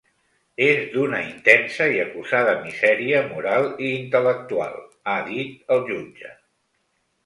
És d’una intensa i acusada misèria moral i intel·lectual, ha dit el jutge.